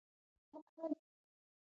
مرسته ونه سوه کړای.